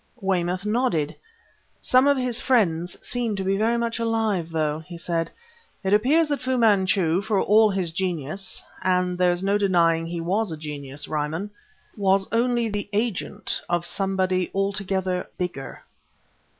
Weymouth nodded. "Some of his friends seem to be very much alive, though" he said. "It appears that Fu Manchu, for all his genius and there's no denying he was a genius, Ryman was only the agent of somebody altogether bigger."